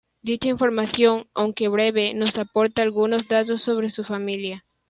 Dicha información, aunque breve, nos aporta algunos datos sobre su familia.